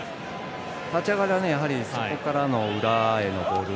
立ち上がりはそこからの裏へのボール。